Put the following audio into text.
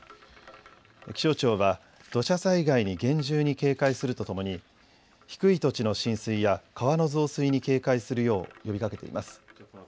気象庁は土砂災害に厳重に警戒するとともに低い土地の浸水や川の増水に警戒するよう呼びかけています。